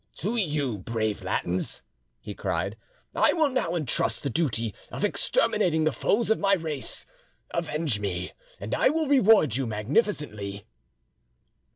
"To you, brave Latins," he cried, "I will now entrust the duty of exterminating the foes of my race. Avenge me, and I will reward you magnificently."